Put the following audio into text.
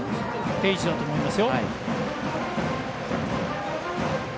定位置だと思います。